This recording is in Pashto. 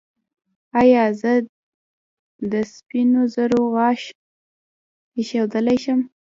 ایا زه د سپینو زرو غاښ ایښودلی شم؟